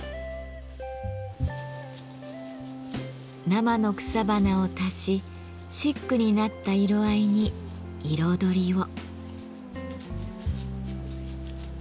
生の草花を足しシックになった色合いに彩りを。